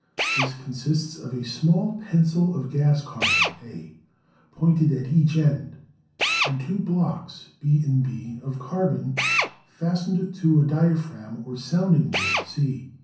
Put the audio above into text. This consists of a small pencil of gas carbon, A, pointed at each end, and two blocks, B, B, of carbon fastened to a diaphragm or sounding board, C.